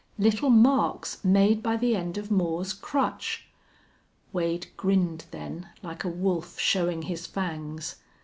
Little marks made by the end of Moore's crutch! Wade grinned then like a wolf showing his fangs.